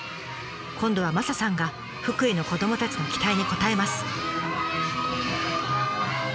今度はマサさんが福井の子どもたちの期待に応えます。